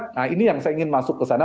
nah ini yang saya ingin masuk kesana